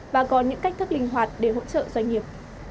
và có những cách thức linh hoạt để hỗ trợ doanh nghiệp